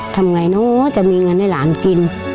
ทำไงเนอะจะมีเงินให้หลานกิน